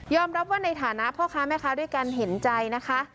รับว่าในฐานะพ่อค้าแม่ค้าด้วยกันเห็นใจนะคะ